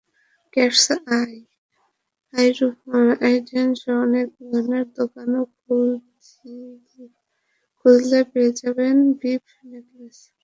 Cats eye, urban truth, আইডিয়াসসহ অনেক গয়নার দোকানেও খুঁজলে পেয়ে যাবেন বিব নেকলেস।